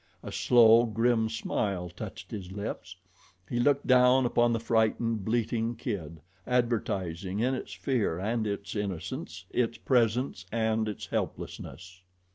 A slow, grim smile touched his lips. He looked down upon the frightened, bleating kid, advertising, in its fear and its innocence, its presence and its helplessness.